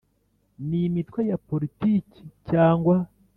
n imitwe ya politiki cyangwa